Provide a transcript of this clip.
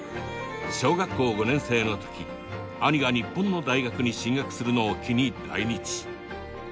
小学校５年生の時兄が日本の大学に進学するのを機に来日。